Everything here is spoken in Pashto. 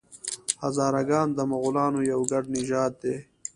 هزاره ګان د مغولانو یو ګډ نژاد دی.